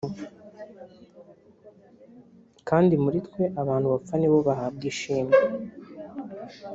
kandi muri twe abantu bapfa ni bo bahabwa ishimwe.